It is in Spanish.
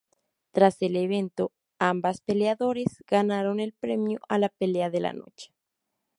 Tras el evento, ambas peleadores ganaron el premio a la "Pelea de la Noche".